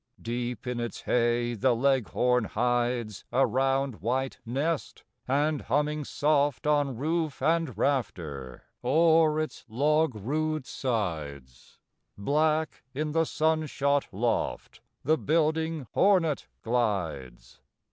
Deep in its hay the Leghorn hides A round white nest; and, humming soft On roof and rafter, or its log rude sides, Black in the sun shot loft, The building hornet glides.